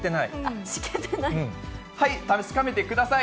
確かめてください。